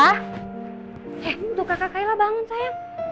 eh untuk kakak kaila bangun sayang